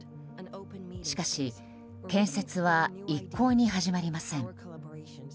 しかし、建設は一向に始まりません。